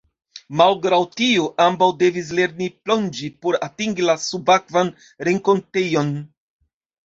Malgraŭ tio, ambaŭ devis lerni plonĝi por atingi la subakvan renkontejon.